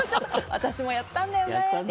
私もやったんだよなって。